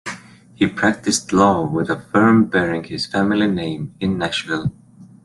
He practiced law with a firm bearing his family name in Nashville.